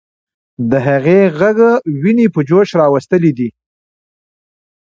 د هغې ږغ ويني په جوش راوستلې دي.